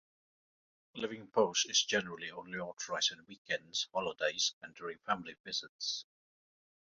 Leaving post is generally only authorized on weekends, holidays and during family visits.